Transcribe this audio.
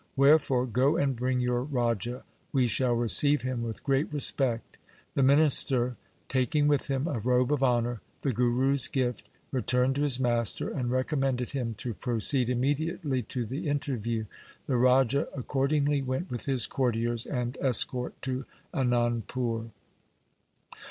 Wherefore go and bring your Raja. We shall receive him with great respect.' The minister taking with him a robe of honour — the Guru's gift — returned to his master, and recommended him to proceed immediately to the interview. The Raja accordingly went with his courtiers and escort to Anandpur.